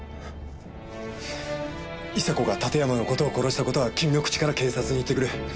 伊沙子が館山の事を殺した事は君の口から警察に言ってくれ。